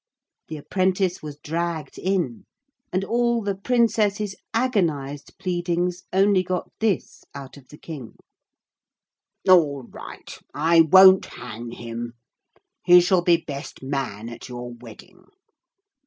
The apprentice was dragged in, and all the Princess's agonized pleadings only got this out of the King 'All right. I won't hang him. He shall be best man at your wedding.'